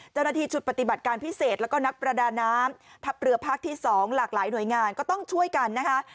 เจ้าหน้าที่ชุดปฏิบัติการพิเศษแล้วก็นักประดาน้ำทัพเรือภาคที่๒หลากหลายหน่วยงานก็ต้องช่วยกันนะคะ